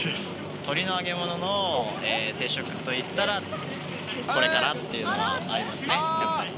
鳥の揚げ物の定食といったらこれかなっていうのはありますね。